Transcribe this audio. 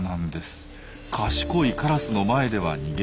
賢いカラスの前では逃げ切れません。